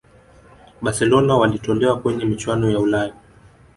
barcelona walitolewa kwenye michuano ya ulaya